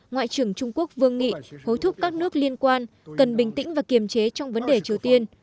ngoại trưởng trung quốc vương nghị hối thúc các nước liên quan cần bình tĩnh và kiềm chế trong vấn đề triều tiên